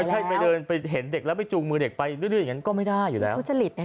ไม่ใช่ไปเดินไปเห็นเด็กแล้วไปจูงมือเด็กไปด้วยอย่างนั้นก็ไม่ได้อยู่แล้ว